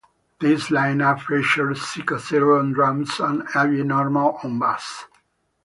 This line-up featured Sicko Zero on drums and Abby Normal on bass.